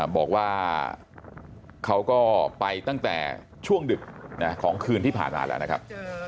บอกว่าเขาก็ไปตั้งแต่ช่วงดึกของคืนที่ผ่านมาแล้วนะครับ